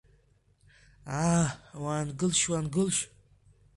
Аа уаангылшь-уаангылшь…